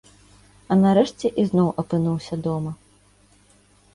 А нарэшце ізноў апынуўся дома.